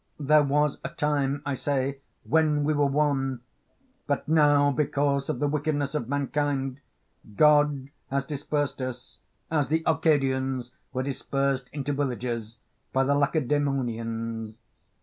There was a time, I say, when we were one, but now because of the wickedness of mankind God has dispersed us, as the Arcadians were dispersed into villages by the Lacedaemonians (compare Arist.